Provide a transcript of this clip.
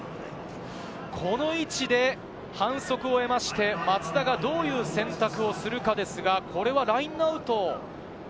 この位置で反則を得まして、松田がどういう選択をするかですが、ラインアウト。